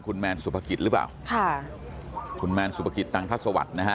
คุณแมนสุภกิจหรือเปล่าค่ะคุณแมนสุภกิจตังทัศวรรคนะฮะ